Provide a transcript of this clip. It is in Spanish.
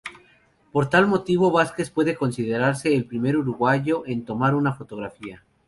Por tal motivo Vázquez puede considerarse el primer uruguayo en tomar una fotografía.